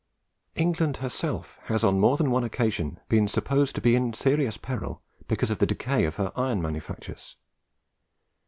England herself has on more than one occasion been supposed to be in serious peril because of the decay of her iron manufactures.